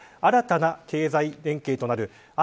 新たな経済連携となるＩＰＥＦ